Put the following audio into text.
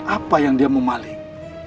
apa yang dia mau maling